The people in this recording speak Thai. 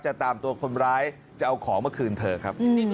จะตามตัวคนร้ายจะเอาของมาคืนเธอครับ